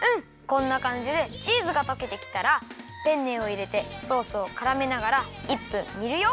こんなかんじでチーズがとけてきたらペンネをいれてソースをからめながら１分にるよ。